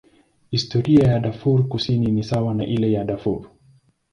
Historia ya Darfur Kusini ni sawa na ile ya Darfur.